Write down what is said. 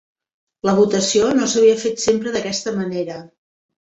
La votació no s'havia fet sempre d'aquesta manera.